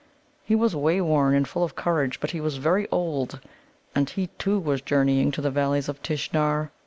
He was wayworn and full of courage, but he was very old. And he, too, was journeying to the Valleys of Tishnar.